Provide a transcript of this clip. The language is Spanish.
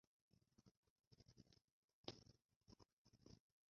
Anteriores modelos eran ya difíciles de diferenciar de un ser humano.